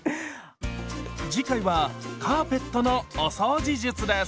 次回はカーペットのお掃除術です。